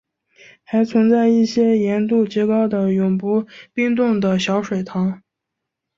还存在一些盐度极高的永不冰冻的小水塘。